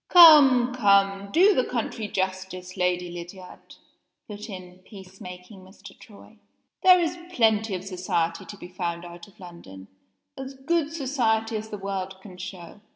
"Come! come! Do the country justice, Lady Lydiard!" put in peace making Mr. Troy. "There is plenty of society to be found out of London as good society as the world can show."